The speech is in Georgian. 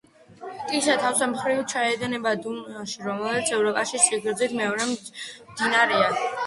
ტისა, თავის მხრივ ჩაედინება დუნაიში, რომელიც ევროპაში სიგრძით მეორე მდინარეა.